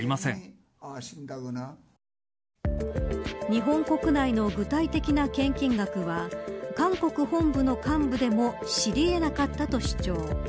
日本国内の具体的な献金額は韓国本部の幹部でも知り得なかったと主張。